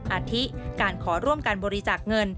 อาทิการขอร่วมการบริจาคเงิน